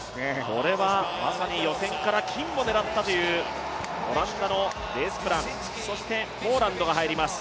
これはまさに予選から金を狙ったというオランダのレースプラン、そしてポーランドが入ります。